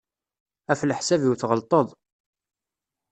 Ɣef leḥsab-iw tɣelṭeḍ.